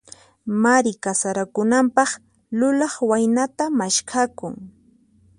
Mari kasarakunanpaq, lulaq waynata maskhakun.